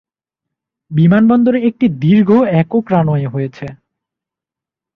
বিমানবন্দরে একটি দীর্ঘ একক রানওয়ে হয়েছে।